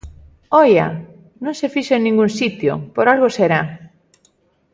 ¡Oia!, non se fixo en ningún sitio, por algo será.